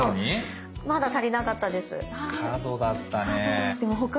まだ足りなかったです。